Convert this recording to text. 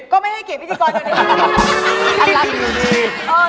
ก็ไม่ให้เกี่ยวกับพี่เกราดเอง